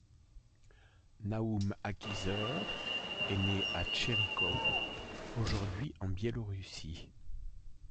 Naum Akhiezer est né à Tcherykaw, aujourd'hui en Biélorussie.